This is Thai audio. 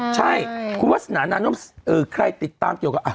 ใช่คุณวาสนานาน่มใครติดตามเกี่ยวกับ